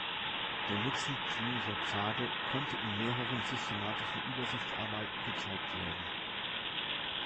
Der Nutzen klinischer Pfade konnte in mehreren systematischen Übersichtsarbeiten gezeigt werden.